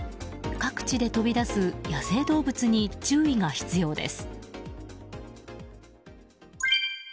各地で飛び出す野生動物に注意が必要です。